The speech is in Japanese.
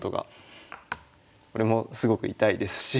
これもすごく痛いですし。